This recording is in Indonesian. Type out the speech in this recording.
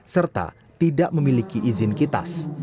serta tidak memiliki izin kitas